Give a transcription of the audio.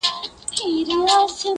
نورو ته مي شا کړې ده تاته مخامخ یمه~